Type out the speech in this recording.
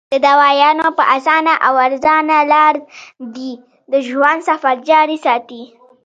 د دوايانو پۀ اسانه او ارزانه لار دې د ژوند سفر جاري ساتي -